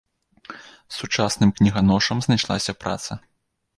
Сучасным кніганошам знайшлася праца.